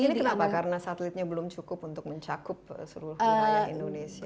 ini kenapa karena satelitnya belum cukup untuk mencakup seluruh wilayah indonesia